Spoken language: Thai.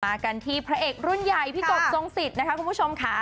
กันที่พระเอกรุ่นใหญ่พี่กบทรงสิทธิ์นะคะคุณผู้ชมค่ะ